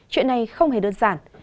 chuyện này không hề đơn giản